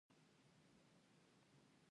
آیا د ځنګلونو پرې کول منع نه دي؟